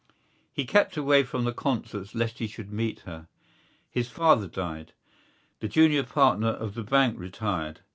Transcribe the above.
He kept away from concerts lest he should meet her. His father died; the junior partner of the bank retired.